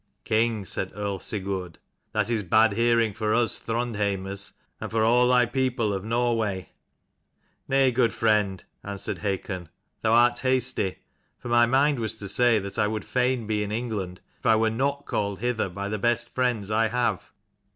" King," said earl Sigurd, " that is bad hearing for us Throndheimers, and for all thy people of Norway." " Nay, good friend," answered Hakon, "thou art hasty. For my mind was to say that I would fain be in England if I were not called hither by the best friends I have."